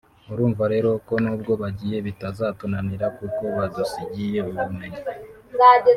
urumva rero ko nubwo bagiye bitazatunanira kuko badusigiye ubumenyi